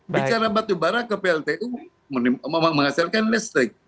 bicara batu bara ke pltu menghasilkan listrik